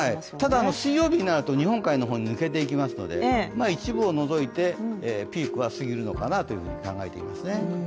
ただ水曜日になると日本海の方に抜けていきますので一部を除いてピークは過ぎるのかなと考えていますね。